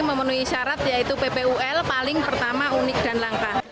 memenuhi syarat yaitu ppul paling pertama unik dan langka